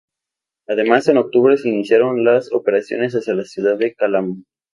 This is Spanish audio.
Además en octubre se iniciaron las operaciones hacia la ciudad de Calama.